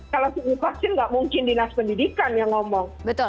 kalau divaksin nggak mungkin dinas pendidikan yang ngomong